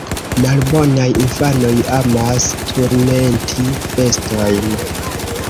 Malbonaj infanoj amas turmenti bestojn.